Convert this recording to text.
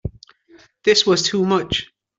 This was too much.